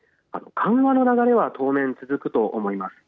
緩和の流れは当面、続くと思います。